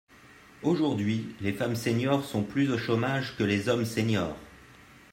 Aujourd’hui, les femmes seniors sont plus au chômage que les hommes seniors.